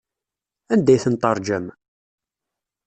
Anda ay tent-teṛjam?